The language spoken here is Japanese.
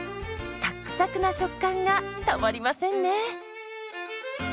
サックサクな食感がたまりませんね。